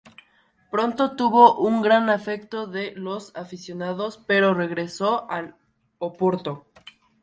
Pronto tuvo un gran afecto de los aficionados, pero regresó al Oporto.